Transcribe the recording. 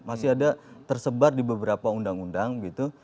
masih ada tersebar di beberapa undang undang gitu